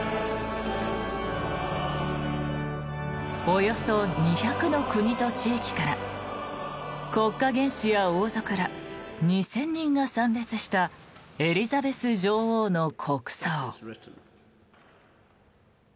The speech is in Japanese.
およそ２００の国と地域から国家元首や王族ら２０００人が参列したエリザベス女王の国葬。